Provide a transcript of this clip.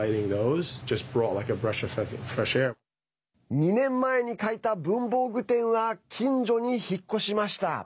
２年前に描いた文房具店は近所に引っ越しました。